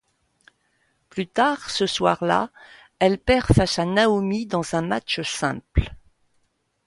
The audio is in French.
Plus tard ce soir-là, elle perd face à Naomi dans un match simple.